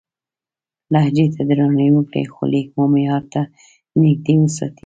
لهجې ته درناوی وکړئ، خو لیک مو معیار ته نږدې وساتئ.